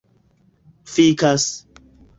fikas